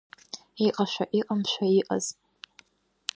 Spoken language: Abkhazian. Иҟашәа, иҟамшәа иҟаз.